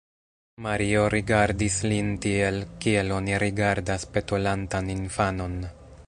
Mario rigardis lin tiel, kiel oni rigardas petolantan infanon.